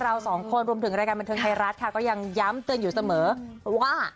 เราสองคนรวมถึงรายการบันเทิงไทยรัฐค่ะก็ยังย้ำเตือนอยู่เสมอว่า